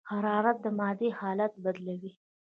حرارت د مادې حالت بدلوي.